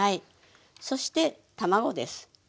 そして卵です。